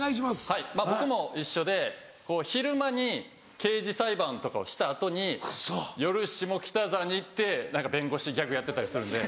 はいまぁ僕も一緒で昼間に刑事裁判とかをした後に夜下北沢に行って何か弁護士ギャグやってたりするんで。